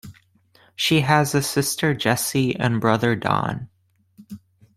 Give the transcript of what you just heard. She has a sister Jessie and brother Don.